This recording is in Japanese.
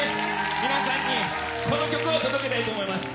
皆さんにこの曲を届けたいと思います。